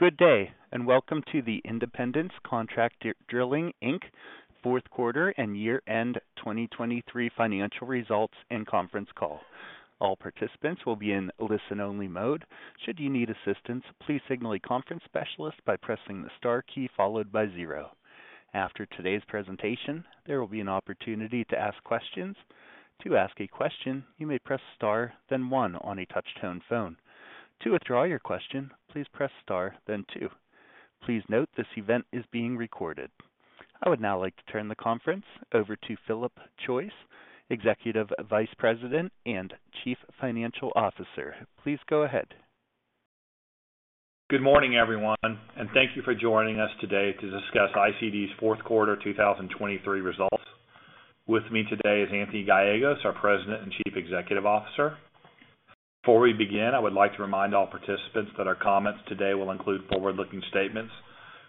Good day and welcome to the Independence Contract Drilling, Inc fourth quarter and year-end 2023 financial results and conference call. All participants will be in listen-only mode. Should you need assistance, please signal a conference specialist by pressing the star key followed by zero. After today's presentation, there will be an opportunity to ask questions. To ask a question, you may press star, then one on a touch-tone phone. To withdraw your question, please press star, then two. Please note this event is being recorded. I would now like to turn the conference over to Philip Choyce, Executive Vice President and Chief Financial Officer. Please go ahead. Good morning, everyone, and thank you for joining us today to discuss ICD's fourth quarter 2023 results. With me today is Anthony Gallegos, our President and Chief Executive Officer. Before we begin, I would like to remind all participants that our comments today will include forward-looking statements,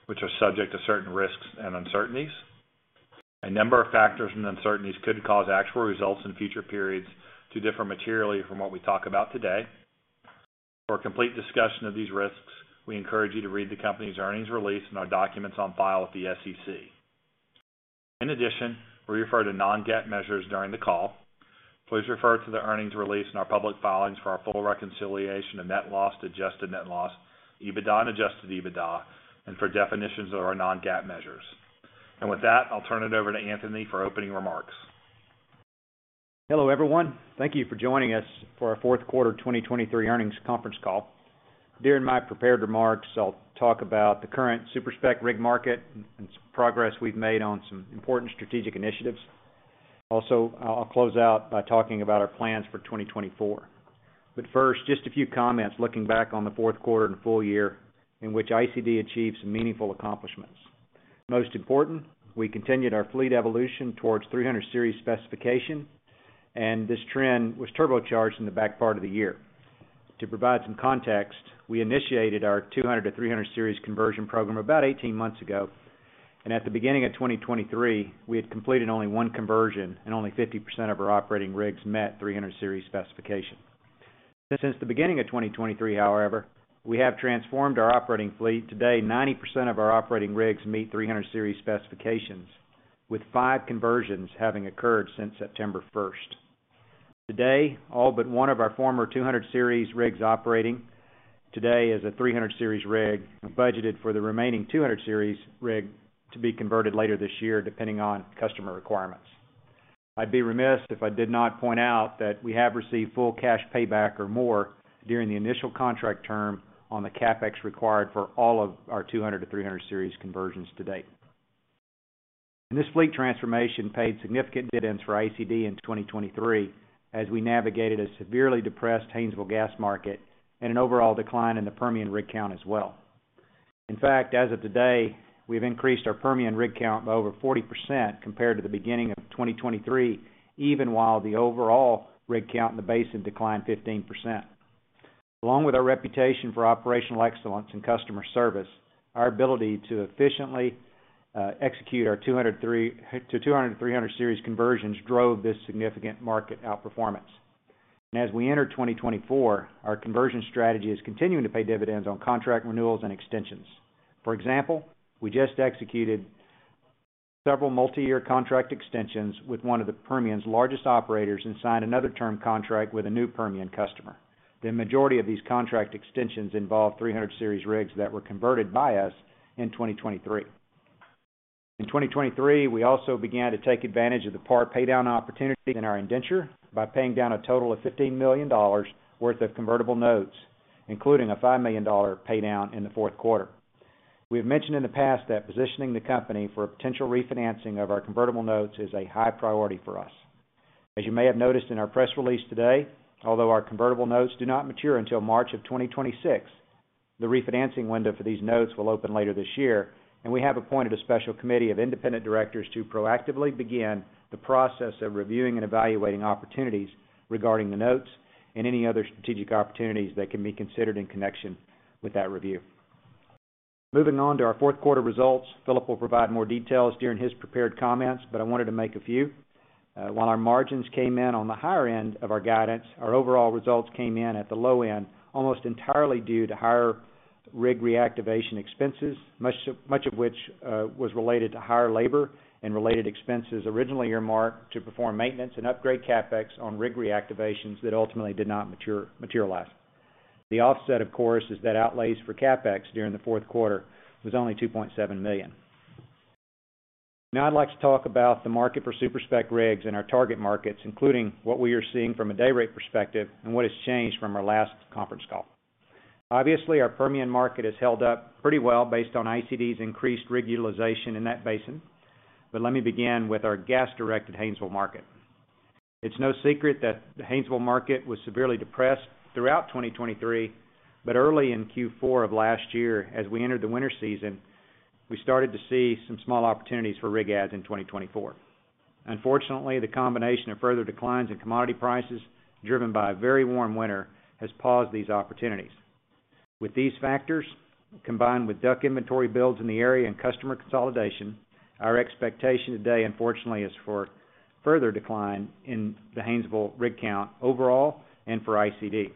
which are subject to certain risks and uncertainties. A number of factors and uncertainties could cause actual results in future periods to differ materially from what we talk about today. For a complete discussion of these risks, we encourage you to read the company's earnings release and our documents on file at the SEC. In addition, we refer to non-GAAP measures during the call. Please refer to the earnings release and our public filings for our full reconciliation of net loss, adjusted net loss, EBITDA and adjusted EBITDA, and for definitions of our non-GAAP measures. With that, I'll turn it over to Anthony for opening remarks. Hello, everyone. Thank you for joining us for our fourth quarter 2023 earnings conference call. During my prepared remarks, I'll talk about the current Super-Spec rig market and progress we've made on some important strategic initiatives. Also, I'll close out by talking about our plans for 2024. But first, just a few comments looking back on the fourth quarter and full year in which ICD achieved some meaningful accomplishments. Most important, we continued our fleet evolution towards 300 series specification, and this trend was turbocharged in the back part of the year. To provide some context, we initiated our 200-300 series conversion program about 18 months ago, and at the beginning of 2023, we had completed only one conversion and only 50% of our operating rigs met 300 series specification. Since the beginning of 2023, however, we have transformed our operating fleet. Today, 90% of our operating rigs meet 300 series specifications, with five conversions having occurred since September 1st. Today, all but one of our former 200 series rigs operating today is a 300 series rig budgeted for the remaining 200 series rig to be converted later this year, depending on customer requirements. I'd be remiss if I did not point out that we have received full cash payback or more during the initial contract term on the CapEx required for all of our 200-300 series conversions to date. This fleet transformation paid significant dividends for ICD in 2023 as we navigated a severely depressed Haynesville gas market and an overall decline in the Permian rig count as well. In fact, as of today, we've increased our Permian rig count by over 40% compared to the beginning of 2023, even while the overall rig count in the basin declined 15%. Along with our reputation for operational excellence and customer service, our ability to efficiently execute our 200-300 series conversions drove this significant market outperformance. As we enter 2024, our conversion strategy is continuing to pay dividends on contract renewals and extensions. For example, we just executed several multi-year contract extensions with one of the Permian's largest operators and signed another term contract with a new Permian customer. The majority of these contract extensions involved 300 series rigs that were converted by us in 2023. In 2023, we also began to take advantage of the part paydown opportunity in our indenture by paying down a total of $15 million worth of convertible notes, including a $5 million paydown in the fourth quarter. We have mentioned in the past that positioning the company for a potential refinancing of our convertible notes is a high priority for us. As you may have noticed in our press release today, although our convertible notes do not mature until March of 2026, the refinancing window for these notes will open later this year, and we have appointed a special committee of independent directors to proactively begin the process of reviewing and evaluating opportunities regarding the notes and any other strategic opportunities that can be considered in connection with that review. Moving on to our fourth quarter results, Philip will provide more details during his prepared comments, but I wanted to make a few. While our margins came in on the higher end of our guidance, our overall results came in at the low end almost entirely due to higher rig reactivation expenses, much of which was related to higher labor and related expenses originally earmarked to perform maintenance and upgrade CapEx on rig reactivations that ultimately did not materialize. The offset, of course, is that outlays for CapEx during the fourth quarter was only $2.7 million. Now I'd like to talk about the market for Super-Spec rigs and our target markets, including what we are seeing from a day-rate perspective and what has changed from our last conference call. Obviously, our Permian market has held up pretty well based on ICD's increased rig utilization in that basin, but let me begin with our gas-directed Haynesville market. It's no secret that the Haynesville market was severely depressed throughout 2023, but early in Q4 of last year, as we entered the winter season, we started to see some small opportunities for rig adds in 2024. Unfortunately, the combination of further declines in commodity prices driven by a very warm winter has paused these opportunities. With these factors combined with DUC inventory builds in the area and customer consolidation, our expectation today, unfortunately, is for further decline in the Haynesville rig count overall and for ICD.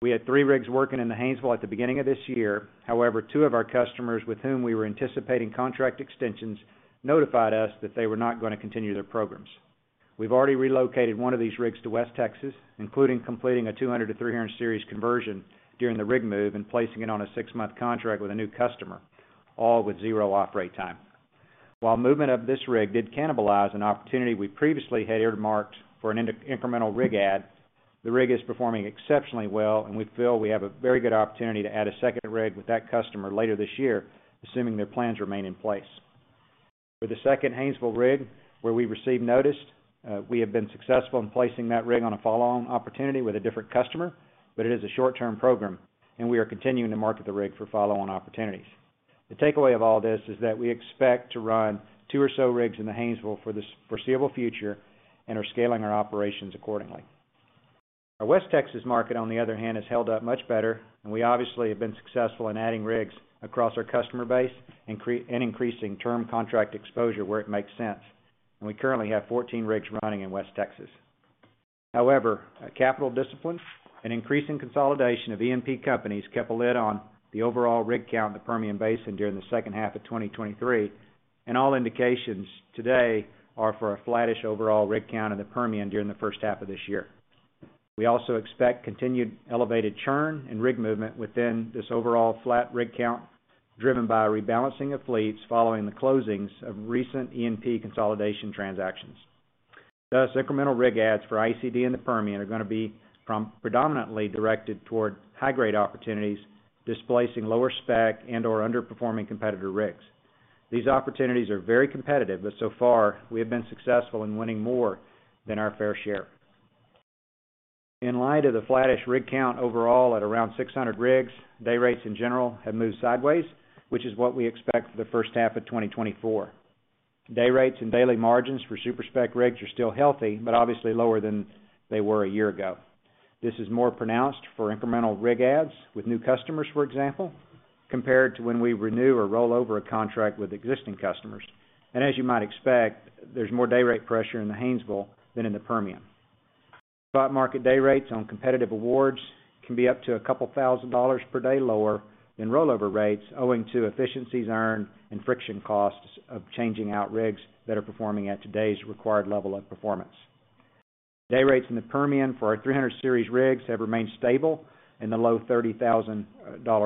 We had three rigs working in the Haynesville at the beginning of this year. However, two of our customers with whom we were anticipating contract extensions notified us that they were not going to continue their programs. We've already relocated one of these rigs to West Texas, including completing a 200-300 series conversion during the rig move and placing it on a six-month contract with a new customer, all with zero off-rate time. While movement of this rig did cannibalize an opportunity we previously had earmarked for an incremental rig add, the rig is performing exceptionally well, and we feel we have a very good opportunity to add a second rig with that customer later this year, assuming their plans remain in place. With the second Haynesville rig, where we received notice, we have been successful in placing that rig on a follow-on opportunity with a different customer, but it is a short-term program, and we are continuing to market the rig for follow-on opportunities. The takeaway of all this is that we expect to run two or so rigs in the Haynesville for the foreseeable future and are scaling our operations accordingly. Our West Texas market, on the other hand, has held up much better, and we obviously have been successful in adding rigs across our customer base and increasing term contract exposure where it makes sense. We currently have 14 rigs running in West Texas. However, capital discipline and increasing consolidation of E&P companies kept a lid on the overall rig count in the Permian Basin during the second half of 2023, and all indications today are for a flattish overall rig count in the Permian during the first half of this year. We also expect continued elevated churn and rig movement within this overall flat rig count driven by a rebalancing of fleets following the closings of recent E&P consolidation transactions. Thus, incremental rig adds for ICD in the Permian are going to be predominantly directed toward high-grade opportunities displacing lower spec and/or underperforming competitor rigs. These opportunities are very competitive, but so far, we have been successful in winning more than our fair share. In light of the flattish rig count overall at around 600 rigs, day rates in general have moved sideways, which is what we expect for the first half of 2024. Day rates and daily margins for Super-Spec rigs are still healthy, but obviously lower than they were a year ago. This is more pronounced for incremental rig adds with new customers, for example, compared to when we renew or roll over a contract with existing customers. As you might expect, there's more day-rate pressure in the Haynesville than in the Permian. Spot market day rates on competitive awards can be up to $2,000 per day lower than rollover rates, owing to efficiencies earned and friction costs of changing out rigs that are performing at today's required level of performance. Day rates in the Permian for our 300 series rigs have remained stable in the low $30,000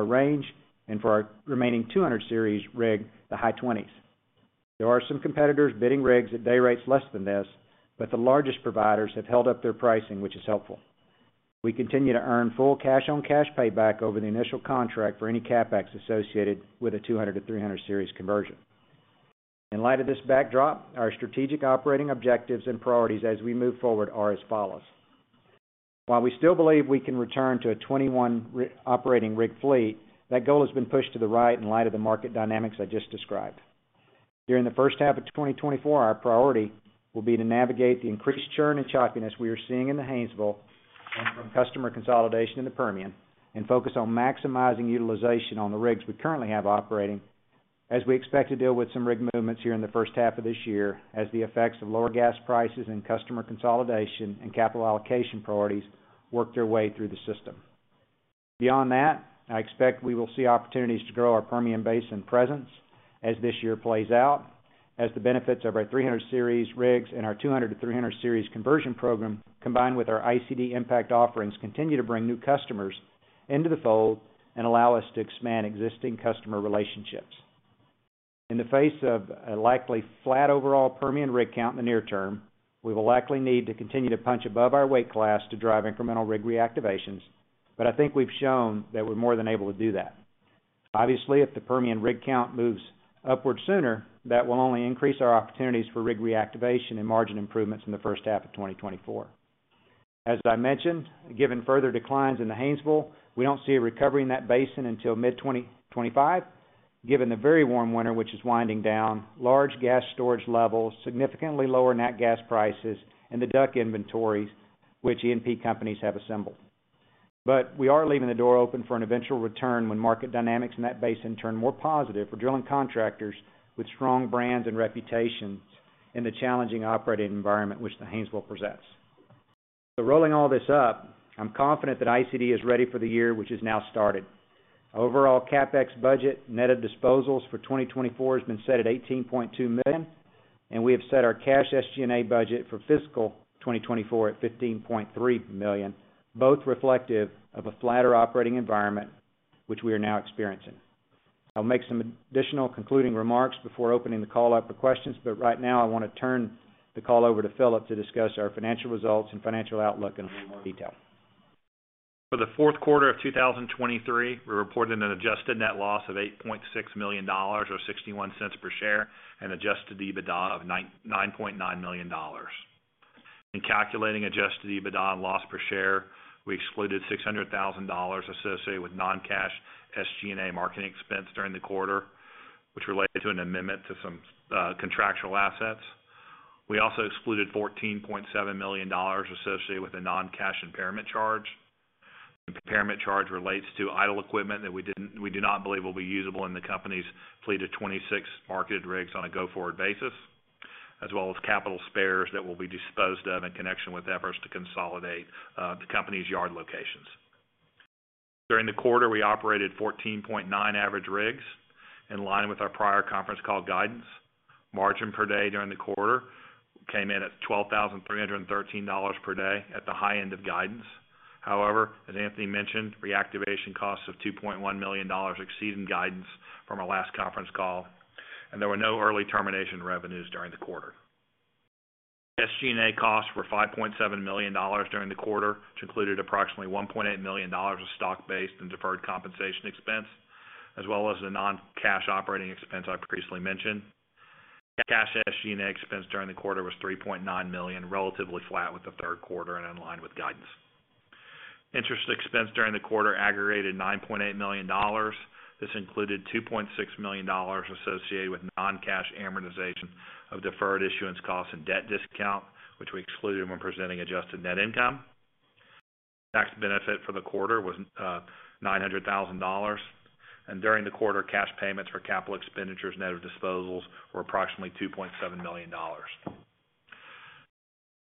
range, and for our remaining 200 series rig, the high $20,000s. There are some competitors bidding rigs at day rates less than this, but the largest providers have held up their pricing, which is helpful. We continue to earn full cash-on-cash payback over the initial contract for any CapEx associated with a 200-300 series conversion. In light of this backdrop, our strategic operating objectives and priorities as we move forward are as follows. While we still believe we can return to a 21 operating rig fleet, that goal has been pushed to the right in light of the market dynamics I just described. During the first half of 2024, our priority will be to navigate the increased churn and choppiness we are seeing in the Haynesville and from customer consolidation in the Permian and focus on maximizing utilization on the rigs we currently have operating as we expect to deal with some rig movements here in the first half of this year as the effects of lower gas prices and customer consolidation and capital allocation priorities work their way through the system. Beyond that, I expect we will see opportunities to grow our Permian Basin presence as this year plays out, as the benefits of our 300 series rigs and our 200-300 series conversion program combined with our ICD Impact offerings continue to bring new customers into the fold and allow us to expand existing customer relationships. In the face of a likely flat overall Permian rig count in the near term, we will likely need to continue to punch above our weight class to drive incremental rig reactivations, but I think we've shown that we're more than able to do that. Obviously, if the Permian rig count moves upward sooner, that will only increase our opportunities for rig reactivation and margin improvements in the first half of 2024. As I mentioned, given further declines in the Haynesville, we don't see recovering that basin until mid-2025, given the very warm winter, which is winding down, large gas storage levels, significantly lower net gas prices, and the DUC inventories which E&P companies have assembled. But we are leaving the door open for an eventual return when market dynamics in that basin turn more positive for drilling contractors with strong brands and reputations in the challenging operating environment which the Haynesville presents. So rolling all this up, I'm confident that ICD is ready for the year which has now started. Overall CapEx budget net of disposals for 2024 has been set at $18.2 million, and we have set our cash SG&A budget for fiscal 2024 at $15.3 million, both reflective of a flatter operating environment which we are now experiencing. I'll make some additional concluding remarks before opening the call up for questions, but right now, I want to turn the call over to Philip to discuss our financial results and financial outlook in a little more detail. For the fourth quarter of 2023, we reported an adjusted net loss of $8.6 million or $0.61 per share and adjusted EBITDA of $9.9 million. In calculating adjusted EBITDA and loss per share, we excluded $600,000 associated with non-cash SG&A marketing expense during the quarter, which related to an amendment to some contractual assets. We also excluded $14.7 million associated with a non-cash impairment charge. The impairment charge relates to idle equipment that we do not believe will be usable in the company's fleet of 26 marketed rigs on a go-forward basis, as well as capital spares that will be disposed of in connection with efforts to consolidate the company's yard locations. During the quarter, we operated 14.9 average rigs in line with our prior conference call guidance. Margin per day during the quarter came in at $12,313 per day at the high end of guidance. However, as Anthony mentioned, reactivation costs of $2.1 million exceeded guidance from our last conference call, and there were no early termination revenues during the quarter. SG&A costs were $5.7 million during the quarter, which included approximately $1.8 million of stock-based and deferred compensation expense, as well as the non-cash operating expense I previously mentioned. Cash SG&A expense during the quarter was $3.9 million, relatively flat with the third quarter and in line with guidance. Interest expense during the quarter aggregated $9.8 million. This included $2.6 million associated with non-cash amortization of deferred issuance costs and debt discount, which we excluded when presenting adjusted net income. Tax benefit for the quarter was $900,000, and during the quarter, cash payments for capital expenditures net of disposals were approximately $2.7 million.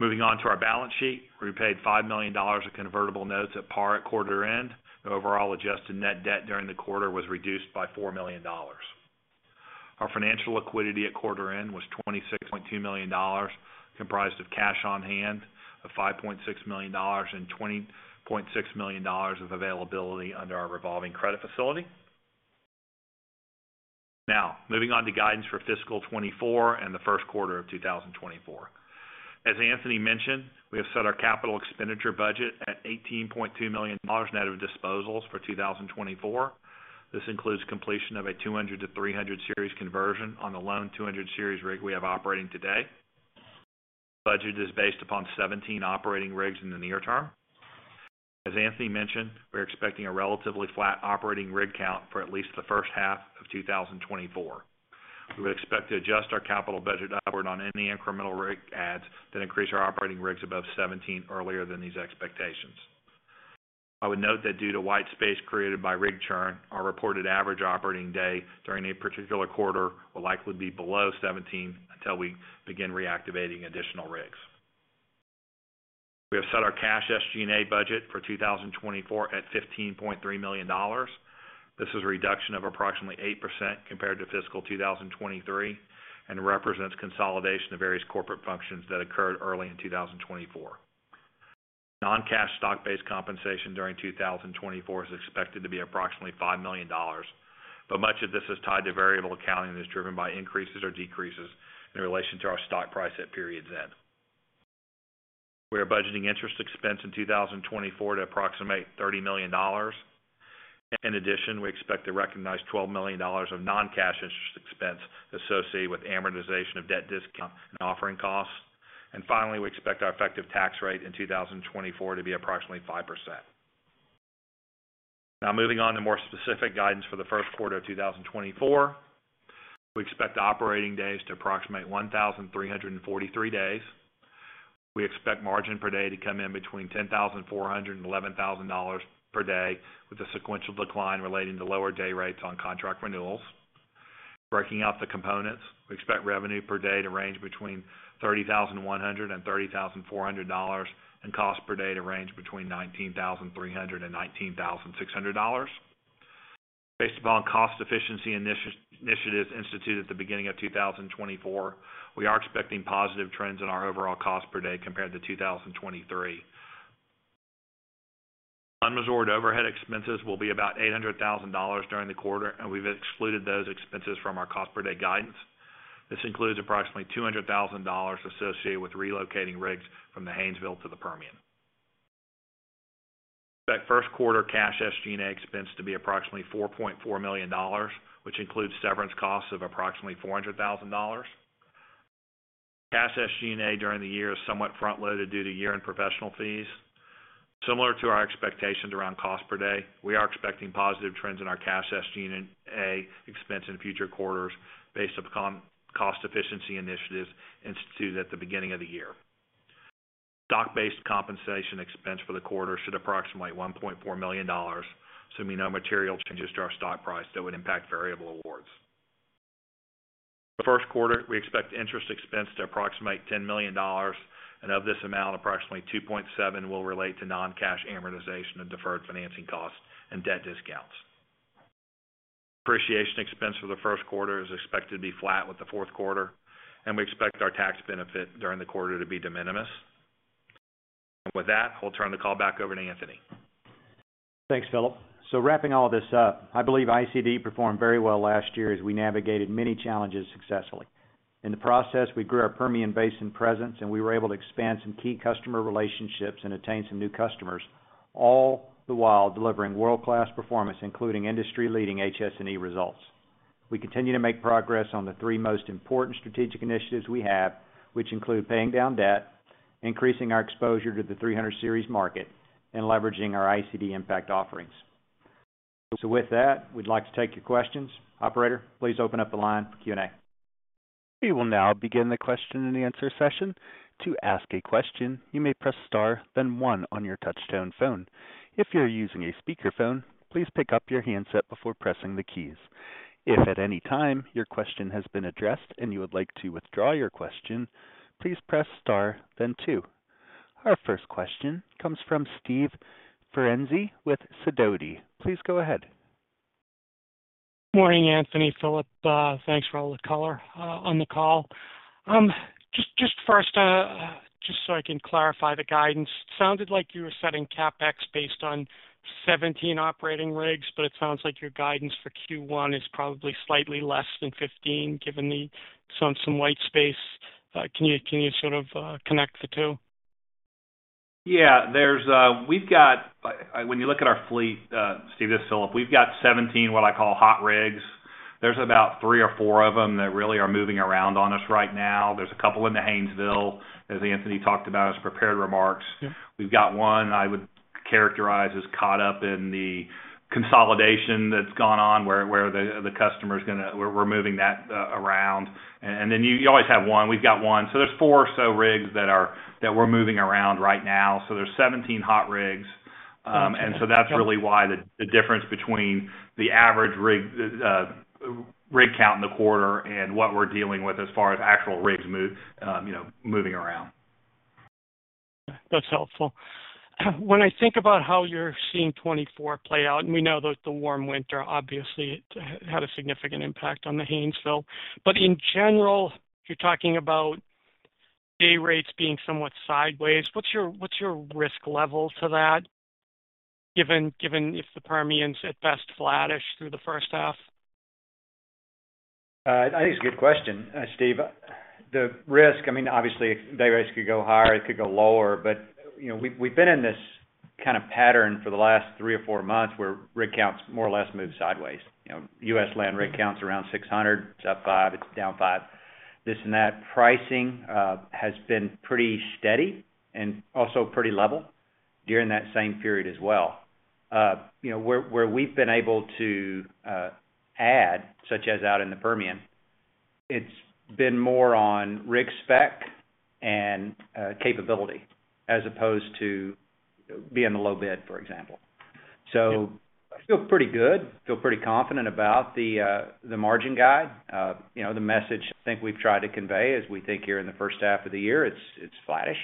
Moving on to our balance sheet, we paid $5 million of convertible notes at par at quarter end. The overall adjusted net debt during the quarter was reduced by $4 million. Our financial liquidity at quarter end was $26.2 million, comprised of cash on hand of $5.6 million and $20.6 million of availability under our revolving credit facility. Now, moving on to guidance for fiscal 2024 and the first quarter of 2024. As Anthony mentioned, we have set our capital expenditure budget at $18.2 million net of disposals for 2024. This includes completion of a 200-300 series conversion on the lone 200 series rig we have operating today. The budget is based upon 17 operating rigs in the near term. As Anthony mentioned, we're expecting a relatively flat operating rig count for at least the first half of 2024. We would expect to adjust our capital budget upward on any incremental rig adds that increase our operating rigs above 17 earlier than these expectations. I would note that due to white space created by rig churn, our reported average operating day during a particular quarter will likely be below 17 until we begin reactivating additional rigs. We have set our cash SG&A budget for 2024 at $15.3 million. This is a reduction of approximately 8% compared to fiscal 2023 and represents consolidation of various corporate functions that occurred early in 2024. Non-cash stock-based compensation during 2024 is expected to be approximately $5 million, but much of this is tied to variable accounting that is driven by increases or decreases in relation to our stock price at period's end. We are budgeting interest expense in 2024 to approximate $30 million. In addition, we expect to recognize $12 million of non-cash interest expense associated with amortization of debt discount and offering costs. And finally, we expect our effective tax rate in 2024 to be approximately 5%. Now, moving on to more specific guidance for the first quarter of 2024, we expect operating days to approximate 1,343 days. We expect margin per day to come in between $10,400-$11,000 per day with a sequential decline relating to lower day rates on contract renewals. Breaking out the components, we expect revenue per day to range between $30,100-$30,400 and cost per day to range between $19,300-$19,600. Based upon cost efficiency initiatives instituted at the beginning of 2024, we are expecting positive trends in our overall cost per day compared to 2023. Unabsorbed overhead expenses will be about $800,000 during the quarter, and we've excluded those expenses from our cost per day guidance. This includes approximately $200,000 associated with relocating rigs from the Haynesville to the Permian. We expect first quarter cash SG&A expense to be approximately $4.4 million, which includes severance costs of approximately $400,000. Cash SG&A during the year is somewhat front-loaded due to year-end professional fees. Similar to our expectations around cost per day, we are expecting positive trends in our cash SG&A expense in future quarters based upon cost efficiency initiatives instituted at the beginning of the year. Stock-based compensation expense for the quarter should approximate $1.4 million, assuming no material changes to our stock price that would impact variable awards. For the first quarter, we expect interest expense to approximate $10 million, and of this amount, approximately $2.7 million will relate to non-cash amortization of deferred financing costs and debt discounts. Depreciation expense for the first quarter is expected to be flat with the fourth quarter, and we expect our tax benefit during the quarter to be de minimis. With that, I'll turn the call back over to Anthony. Thanks, Philip. So wrapping all this up, I believe ICD performed very well last year as we navigated many challenges successfully. In the process, we grew our Permian Basin presence, and we were able to expand some key customer relationships and attain some new customers, all the while delivering world-class performance, including industry-leading HS&E results. We continue to make progress on the three most important strategic initiatives we have, which include paying down debt, increasing our exposure to the 300 series market, and leveraging our ICD Impact offerings. So with that, we'd like to take your questions. Operator, please open up the line for Q&A. We will now begin the question and answer session. To ask a question, you may press star, then one on your touch-tone phone. If you're using a speakerphone, please pick up your handset before pressing the keys. If at any time your question has been addressed and you would like to withdraw your question, please press star, then two. Our first question comes from Steve Ferazani with Sidoti. Please go ahead. Good morning, Anthony. Philip, thanks for all the color on the call. Just first, just so I can clarify the guidance, it sounded like you were setting CapEx based on 17 operating rigs, but it sounds like your guidance for Q1 is probably slightly less than 15 given some white space. Can you sort of connect the two? Yeah. When you look at our fleet, Steve, this is Philip. We've got 17 what I call hot rigs. There's about three or four of them that really are moving around on us right now. There's a couple in the Haynesville, as Anthony talked about in his prepared remarks. We've got one I would characterize as caught up in the consolidation that's gone on where the customer's going to, we're moving that around. And then you always have one. We've got one. So there's four or so rigs that we're moving around right now. So there's 17 hot rigs. And so that's really why the difference between the average rig count in the quarter and what we're dealing with as far as actual rigs moving around. That's helpful. When I think about how you're seeing 2024 play out, and we know that the warm winter, obviously, had a significant impact on the Haynesville, but in general, you're talking about day rates being somewhat sideways. What's your risk level to that given if the Permian at best flattish through the first half? I think it's a good question, Steve. The risk, I mean, obviously, day rates could go higher. It could go lower. But we've been in this kind of pattern for the last three or four months where rig counts more or less move sideways. U.S. land rig counts around 600. It's up five. It's down five. This and that. Pricing has been pretty steady and also pretty level during that same period as well. Where we've been able to add, such as out in the Permian, it's been more on rig spec and capability as opposed to being the low bid, for example. So I feel pretty good. I feel pretty confident about the margin guide. The message I think we've tried to convey is we think here in the first half of the year, it's flattish.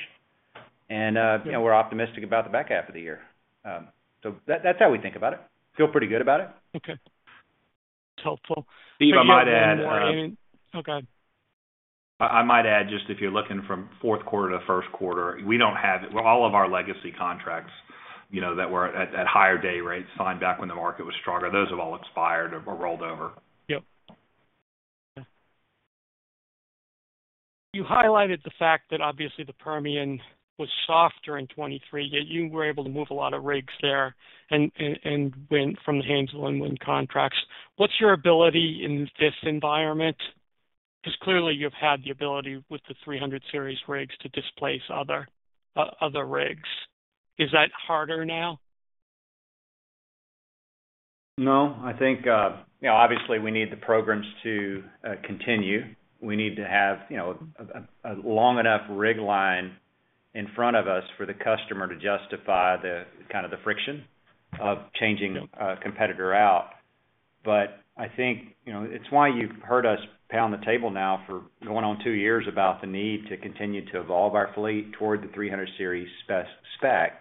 We're optimistic about the back half of the year. That's how we think about it. Feel pretty good about it. Okay. That's helpful. Steve, I might add. I mean, okay. I might add just if you're looking from fourth quarter to first quarter, we don't have all of our legacy contracts that were at higher day rates signed back when the market was stronger. Those have all expired or rolled over. Yep. You highlighted the fact that, obviously, the Permian was softer in 2023, yet you were able to move a lot of rigs there from the Haynesville and win contracts. What's your ability in this environment? Because clearly, you've had the ability with the 300 series rigs to displace other rigs. Is that harder now? No. I think, obviously, we need the programs to continue. We need to have a long enough rig line in front of us for the customer to justify kind of the friction of changing a competitor out. But I think it's why you've heard us pound the table now for going on two years about the need to continue to evolve our fleet toward the 300 series spec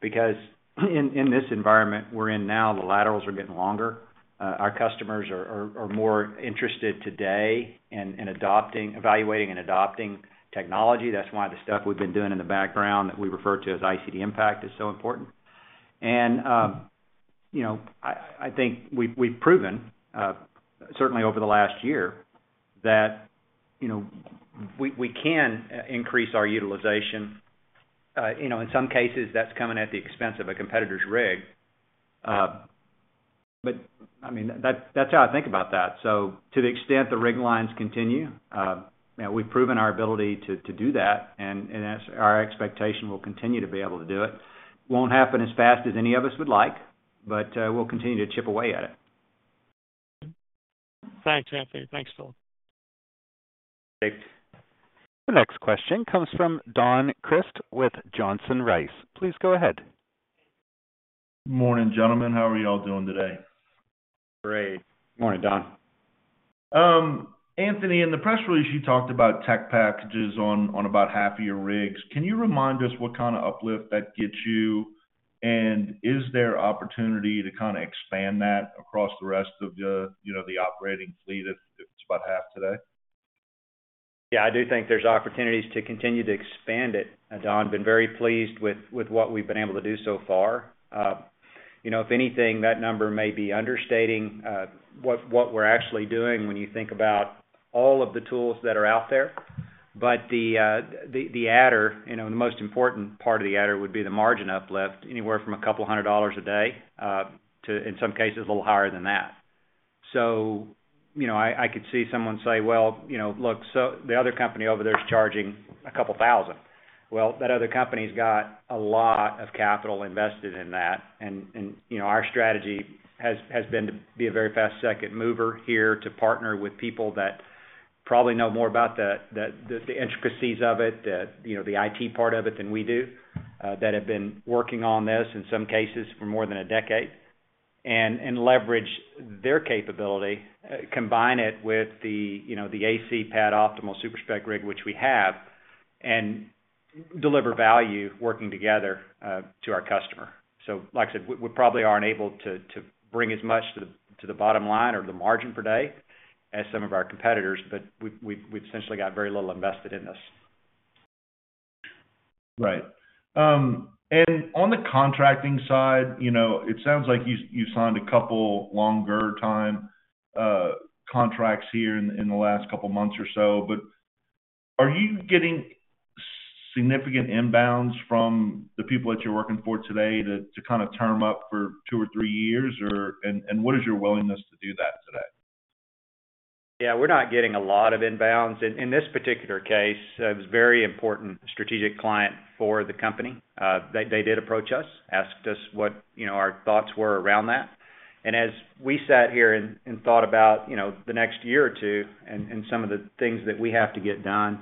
because in this environment we're in now, the laterals are getting longer. Our customers are more interested today in evaluating and adopting technology. That's why the stuff we've been doing in the background that we refer to as ICD Impact is so important. And I think we've proven, certainly over the last year, that we can increase our utilization. In some cases, that's coming at the expense of a competitor's rig. But I mean, that's how I think about that. So to the extent the rig lines continue, we've proven our ability to do that, and our expectation will continue to be able to do it. It won't happen as fast as any of us would like, but we'll continue to chip away at it. Thanks, Anthony. Thanks, Philip. Thanks. The next question comes from Don Crist with Johnson Rice. Please go ahead. Morning, gentlemen. How are y'all doing today? Great. Good morning, Don. Anthony, in the press release, you talked about tech packages on about half of your rigs. Can you remind us what kind of uplift that gets you, and is there opportunity to kind of expand that across the rest of the operating fleet if it's about half today? Yeah. I do think there's opportunities to continue to expand it. Don, been very pleased with what we've been able to do so far. If anything, that number may be understating what we're actually doing when you think about all of the tools that are out there. But the adder, the most important part of the adder would be the margin uplift anywhere from $200 a day to, in some cases, a little higher than that. So I could see someone say, "Well, look, the other company over there is charging a couple thousand." Well, that other company's got a lot of capital invested in that. Our strategy has been to be a very fast-second mover here to partner with people that probably know more about the intricacies of it, the IT part of it than we do, that have been working on this in some cases for more than a decade, and leverage their capability, combine it with the AC pad optimal Super-Spec rig, which we have, and deliver value working together to our customer. So like I said, we probably aren't able to bring as much to the bottom line or to the margin per day as some of our competitors, but we've essentially got very little invested in this. Right. And on the contracting side, it sounds like you've signed a couple longer-term contracts here in the last couple months or so. But are you getting significant inbounds from the people that you're working for today to kind of term up for two or three years? And what is your willingness to do that today? Yeah. We're not getting a lot of inbounds. In this particular case, it was a very important strategic client for the company. They did approach us, asked us what our thoughts were around that. And as we sat here and thought about the next year or two and some of the things that we have to get done,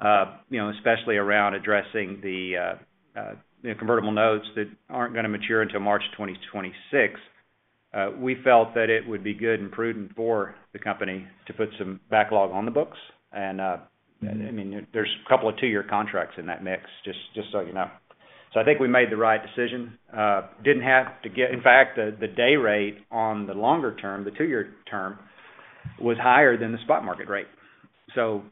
especially around addressing the convertible notes that aren't going to mature until March 2026, we felt that it would be good and prudent for the company to put some backlog on the books. And I mean, there's a couple of two-year contracts in that mix, just so you know. So I think we made the right decision. Didn't have to get, in fact, the day rate on the longer term, the two-year term, was higher than the spot market rate. So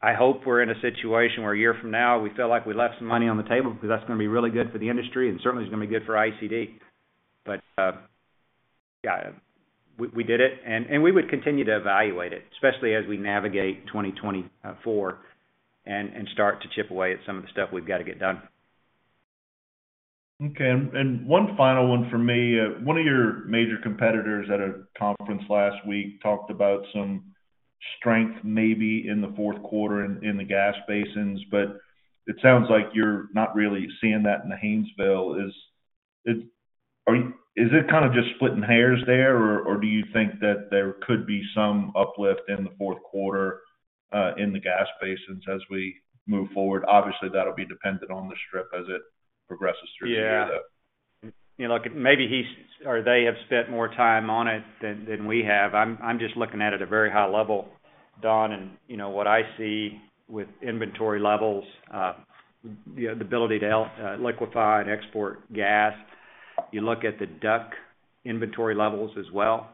I hope we're in a situation where a year from now, we feel like we left some money on the table because that's going to be really good for the industry and certainly is going to be good for ICD. But yeah, we did it. And we would continue to evaluate it, especially as we navigate 2024 and start to chip away at some of the stuff we've got to get done. Okay. One final one for me. One of your major competitors at a conference last week talked about some strength maybe in the fourth quarter in the gas basins, but it sounds like you're not really seeing that in the Haynesville. Is it kind of just splitting hairs there, or do you think that there could be some uplift in the fourth quarter in the gas basins as we move forward? Obviously, that'll be dependent on the strip as it progresses through the year, though. Yeah. Maybe he or they have spent more time on it than we have. I'm just looking at it at a very high level, Don. And what I see with inventory levels, the ability to liquefy and export gas, you look at the DUC inventory levels as well.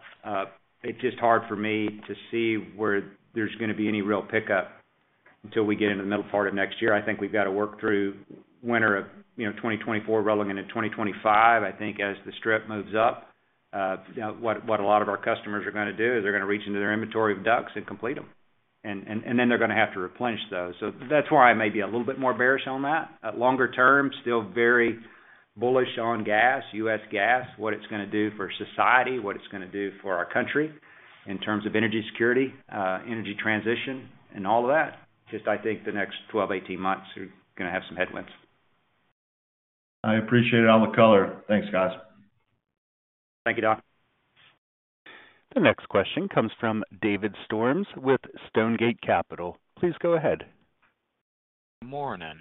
It's just hard for me to see where there's going to be any real pickup until we get into the middle part of next year. I think we've got to work through winter of 2024 rolling into 2025, I think, as the strip moves up. What a lot of our customers are going to do is they're going to reach into their inventory of DUCs and complete them. And then they're going to have to replenish those. So that's why I may be a little bit more bearish on that. Longer term, still very bullish on gas, U.S. gas, what it's going to do for society, what it's going to do for our country in terms of energy security, energy transition, and all of that. Just I think the next 12-18 months are going to have some headwinds. I appreciate all the color. Thanks, guys. Thank you, Don. The next question comes from David Storms with Stonegate Capital. Please go ahead. Good morning.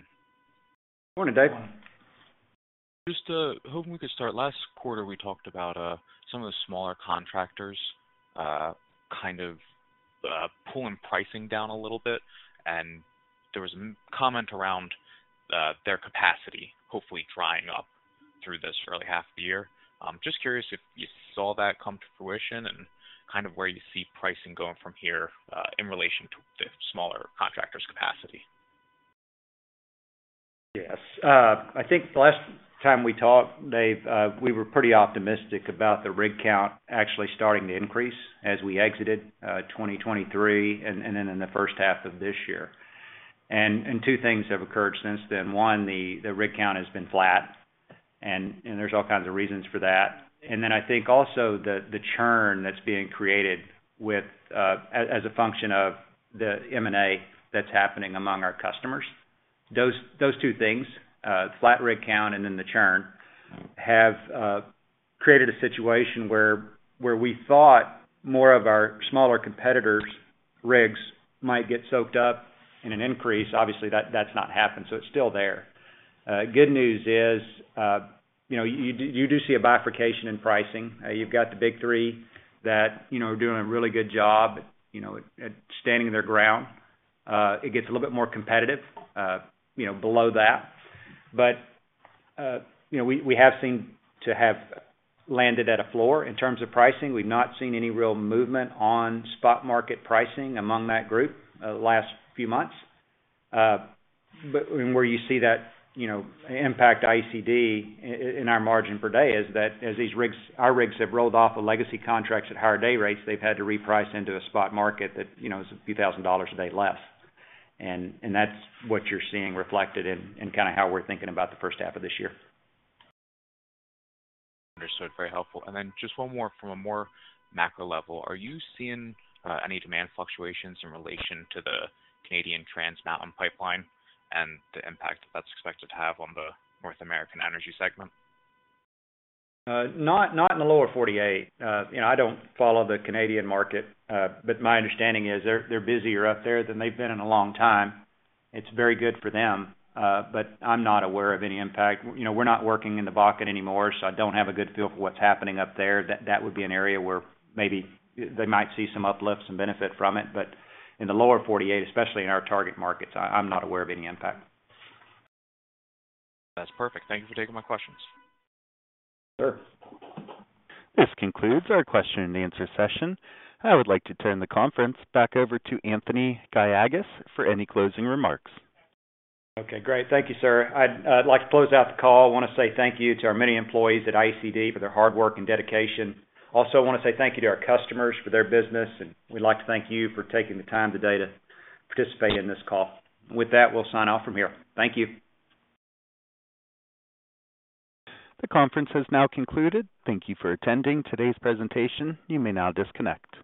Morning, David. Good morning. Just hoping we could start. Last quarter, we talked about some of the smaller contractors kind of pulling pricing down a little bit. There was a comment around their capacity hopefully drying up through this first half of the year. Just curious if you saw that come to fruition and kind of where you see pricing going from here in relation to the smaller contractors' capacity? Yes. I think the last time we talked, Dave, we were pretty optimistic about the rig count actually starting to increase as we exited 2023 and then in the first half of this year. Two things have occurred since then. One, the rig count has been flat, and there's all kinds of reasons for that. And then I think also the churn that's being created as a function of the M&A that's happening among our customers. Those two things, flat rig count and then the churn, have created a situation where we thought more of our smaller competitors' rigs might get soaked up in an increase. Obviously, that's not happened, so it's still there. Good news is you do see a bifurcation in pricing. You've got the big three that are doing a really good job at standing their ground. It gets a little bit more competitive below that. But we have seen to have landed at a floor in terms of pricing. We've not seen any real movement on spot market pricing among that group the last few months. But where you see that impact ICD in our margin per day is that as our rigs have rolled off of legacy contracts at higher day rates, they've had to reprice into a spot market that is a few thousand dollars a day less. And that's what you're seeing reflected in kind of how we're thinking about the first half of this year. Understood. Very helpful. And then just one more from a more macro level. Are you seeing any demand fluctuations in relation to the Canadian Trans Mountain pipeline and the impact that that's expected to have on the North American energy segment? Not in the lower 48. I don't follow the Canadian market, but my understanding is they're busier up there than they've been in a long time. It's very good for them, but I'm not aware of any impact. We're not working in the Bakken anymore, so I don't have a good feel for what's happening up there. That would be an area where maybe they might see some uplift and benefit from it. But in the lower 48, especially in our target markets, I'm not aware of any impact. That's perfect. Thank you for taking my questions. Sure. This concludes our question and answer session. I would like to turn the conference back over to Anthony Gallegos for any closing remarks. Okay. Great. Thank you, sir. I'd like to close out the call. I want to say thank you to our many employees at ICD for their hard work and dedication. Also, I want to say thank you to our customers for their business, and we'd like to thank you for taking the time today to participate in this call. With that, we'll sign off from here. Thank you. The conference has now concluded. Thank you for attending today's presentation. You may now disconnect.